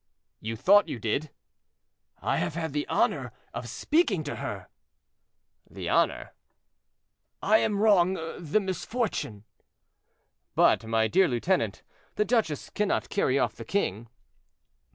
"You thought you did?" "I have had the honor of speaking to her." "The honor." "I am wrong; the misfortune." "But, my dear lieutenant, the duchess cannot carry off the king."